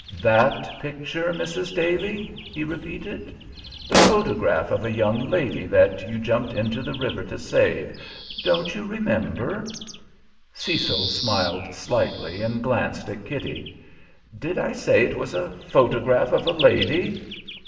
"'That picture,' Mrs. Daly?" he repeated. "The photograph of a young lady that you jumped into the river to save don't you remember?" Cecil smiled slightly, and glanced at Kitty. "Did I say it was a photograph of a lady?"